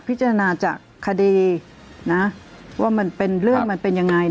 พิจารณาจากคดีนะว่ามันเป็นเรื่องมันเป็นยังไง